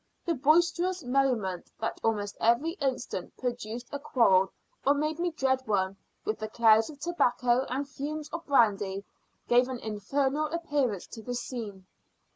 The boisterous merriment that almost every instant produced a quarrel, or made me dread one, with the clouds of tobacco, and fumes of brandy, gave an infernal appearance to the scene.